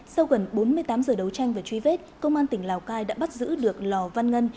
sau gần bốn mươi tám giờ đấu tranh và truy vết công an tỉnh lào cai đã bắt giữ được lò văn ngân